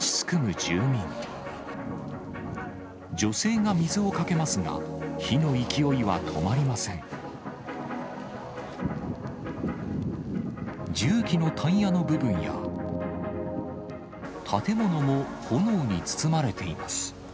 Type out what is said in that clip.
重機のタイヤの部分や、建物も炎に包まれています。